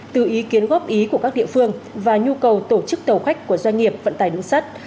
từ ý kiến góp ý của các địa phương và nhu cầu tổ chức tàu khách của doanh nghiệp vận tải đường sắt